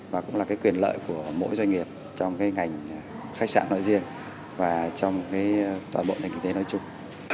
và cũng là cái quyền lợi của mỗi doanh nghiệp trong cái ngành khách sạn nội riêng và trong cái tòa bộ nền kinh tế nói chung